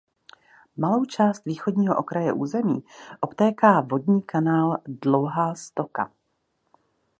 Malou část východního okraje území obtéká vodní kanál Dlouhá stoka.